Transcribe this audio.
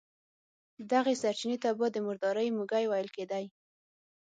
دغې سرچينې ته به د مردارۍ موږی ويل کېدی.